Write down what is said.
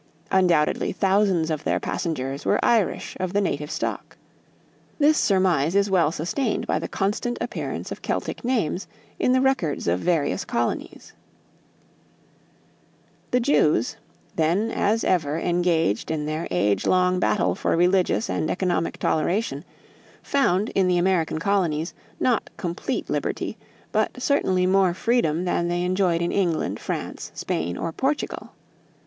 Undoubtedly thousands of their passengers were Irish of the native stock. This surmise is well sustained by the constant appearance of Celtic names in the records of various colonies. [Illustration:_From an old print_ OLD DUTCH FORT AND ENGLISH CHURCH NEAR ALBANY] The Jews, then as ever engaged in their age long battle for religious and economic toleration, found in the American colonies, not complete liberty, but certainly more freedom than they enjoyed in England, France, Spain, or Portugal.